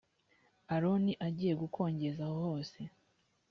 aroni agiye gukongeza ahohose.